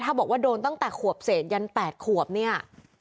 ถ้าบอกว่าโดนตั้งแต่ขวบเศษยัน๘ขวบเนี่ย